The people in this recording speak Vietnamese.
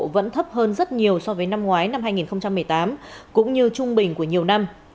vẫn thấp hơn rất nhiều so với năm ngoái năm hai nghìn một mươi tám cũng như trung bình của nhiều năm